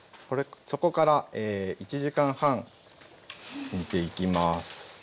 そこから１時間半煮ていきます。